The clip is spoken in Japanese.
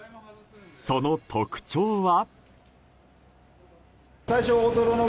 その特徴は。